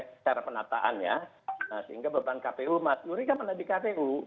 secara penataan ya sehingga beban kpu mas suri kan menandai kpu